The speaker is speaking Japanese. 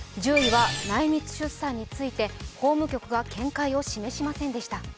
１０位は内密出産について法務局は見解を示しませんでした。